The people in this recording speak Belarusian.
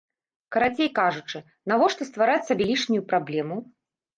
Карацей кажучы, навошта ствараць сабе лішнюю праблему?